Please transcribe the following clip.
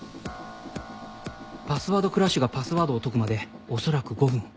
パスワードクラッシュがパスワードを解くまで恐らく５分